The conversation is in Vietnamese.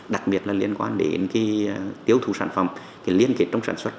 đặc biệt là liên quan đến cái tiêu thụ sản phẩm liên kết trong sản xuất